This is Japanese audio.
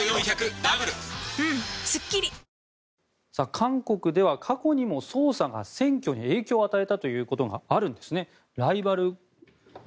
韓国では過去にも捜査が選挙に影響を与えたということがあるんですね。